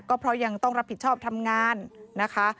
ก็เพราะยังต้องรับผิดชอบทำงานนะคะ